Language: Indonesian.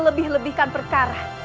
aku lebih lebihkan perkara